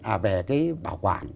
à về cái bảo quản